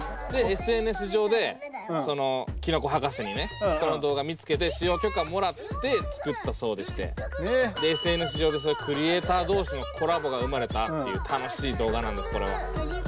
ＳＮＳ上でそのきのこ博士にねこの動画見つけて使用許可もらって作ったそうでしてＳＮＳ上でクリエイター同士のコラボが生まれたっていう楽しい動画なんです。